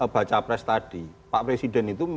pak capres tadi pak presiden itu